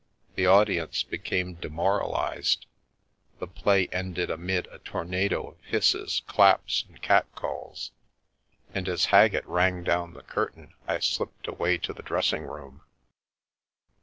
The audience became demoralised, the play ended amid a tornado of hisses, claps, and cat calls; and as Haggett rang down the curtain I slipped away to the dressing room.